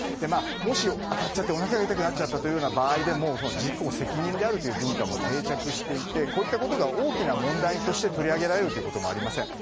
もし、当たっちゃっておなかが痛くなった場合にも自己責任であるという文化も定着していてこういったことが大きな問題として取り上げられることもありません。